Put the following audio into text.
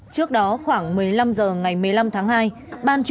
trước đó khoảng một mươi năm h ngày một mươi năm tháng hai